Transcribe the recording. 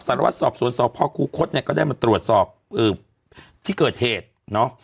สารวัตรสอบสวนสอบพ่อครูคสเนี้ยก็ได้มาตรวจสอบเออที่เกิดเหตุเนอะ